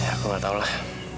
aku gak tau lah